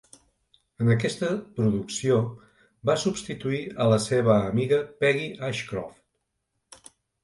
En aquesta producció, va substituir a la seva amiga Peggy Ashcroft.